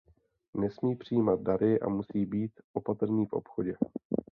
Nesmí přijímat dary a musí být opatrný v obchodě.